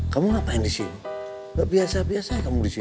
kamu ngapain disini gak biasa biasa ya kamu disini